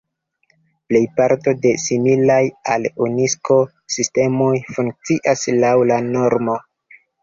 Plejparto de similaj al Unikso sistemoj funkcias laŭ la normo.